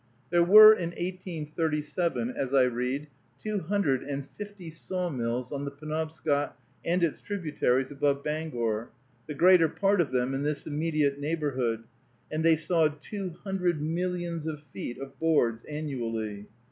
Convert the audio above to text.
There were in 1837, as I read, two hundred and fifty sawmills on the Penobscot and its tributaries above Bangor, the greater part of them in this immediate neighborhood, and they sawed two hundred millions of feet of boards annually.